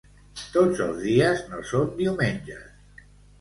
Tots els dies no són diumenges.